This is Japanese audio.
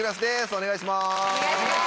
お願いします。